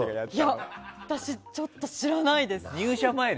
私、ちょっと知らないです。